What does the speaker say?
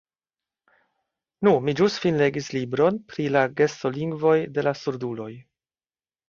Nu, mi ĵus finlegis libron pri la gestolingvoj de la surduloj.